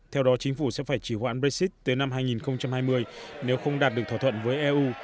theo đó chính phủ sẽ phải chỉ hoãn brexit tới năm hai nghìn hai mươi nếu không đạt được thỏa thuận với eu